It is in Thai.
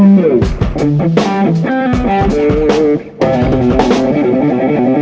ไม่ชินเลยว่าปุ๋ย